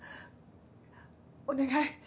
お願い。